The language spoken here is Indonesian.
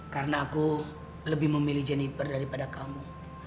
karena aku lebih memilih jennifer daripada kamu